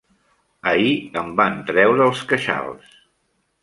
Ahir em van treure els queixals.